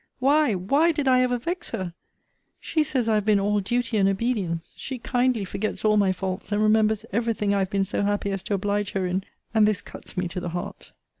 Why, why, did I ever vex her? She says I have been all duty and obedience! She kindly forgets all my faults, and remembers every thing I have been so happy as to oblige her in. And this cuts me to the heart.